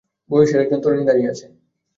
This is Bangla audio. বছরের একজন তরুণী দাঁড়িয়ে আছে।